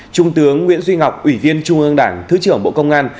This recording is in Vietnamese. trung tướng nguyễn duy ngọc ủy viên trung ương đảng thứ trưởng bộ công an